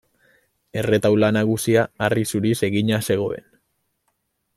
Erretaula nagusia harri zuriz egina zegoen.